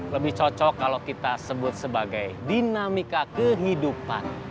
lebih cocok kalau kita sebut sebagai dinamika kehidupan